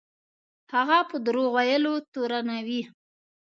هغه په دروغ ویلو تورنوي.